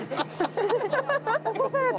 起こされた。